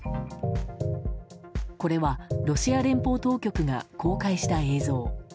これはロシア連邦当局が公開した映像。